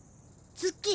ツッキー！